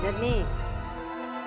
jadi bener nih